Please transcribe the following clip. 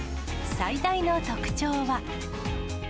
最大の特徴は。